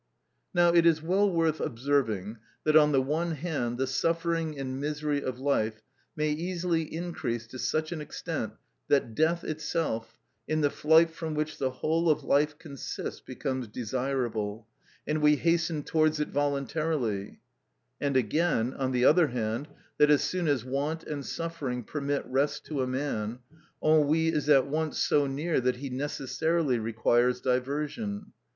Now it is well worth observing that, on the one hand, the suffering and misery of life may easily increase to such an extent that death itself, in the flight from which the whole of life consists, becomes desirable, and we hasten towards it voluntarily; and again, on the other hand, that as soon as want and suffering permit rest to a man, ennui is at once so near that he necessarily requires diversion.